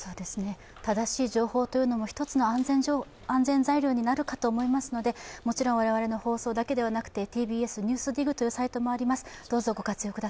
正しい情報というのも一つの安全材料になると思いますのでもちろん我々の放送だけでなくて、ＴＢＳＮＥＷＳＤＩＧというサイトもあります。